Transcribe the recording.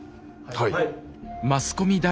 はい！